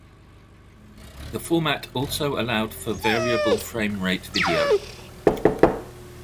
The format also allowed for variable frame rate video.